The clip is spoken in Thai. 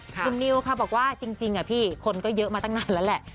คุณนิวค่ะบอกว่าจริงพี่คนก็เยอะมาตั้งนานแล้วแหละ